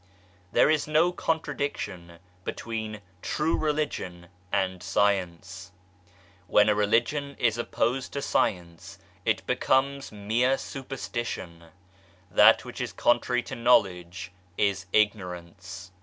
There is no contradiction between True Religion and Science. When a Religion is opposed to Science it becomes mere superstition : that which is contrary to Knowledge is Ignorance.